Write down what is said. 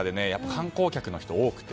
観光客の人が多くて。